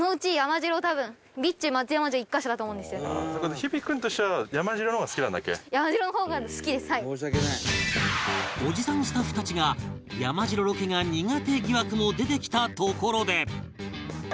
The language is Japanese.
「申し訳ない」おじさんスタッフたちが山城ロケが苦手疑惑も出てきたところで